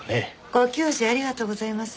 ご教示ありがとうございます。